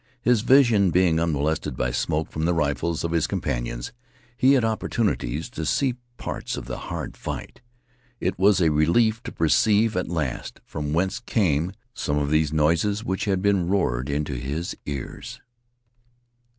His vision being unmolested by smoke from the rifles of his companions, he had opportunities to see parts of the hard fight. It was a relief to perceive at last from whence came some of these noises which had been roared into his ears.